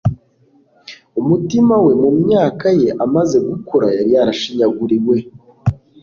umutima we. mu myaka ye amaze gukura, yari yarashinyaguriwe